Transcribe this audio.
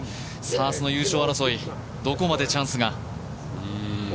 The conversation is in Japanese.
明日の優勝争い、どこまでチャンスが。